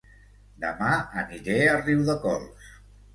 Dema aniré a Riudecols